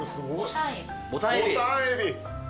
ボタンエビです。